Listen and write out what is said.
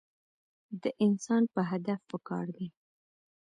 د انسان پۀ هدف پکار دے -